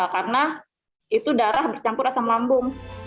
karena itu darah bercampur asam lambung